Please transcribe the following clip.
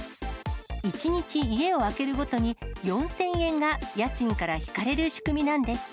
１日家を空けるごとに、４０００円が家賃から引かれる仕組みなんです。